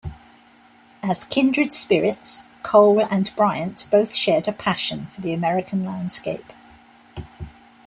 As kindred spirits, Cole and Bryant both shared a passion for the American landscape.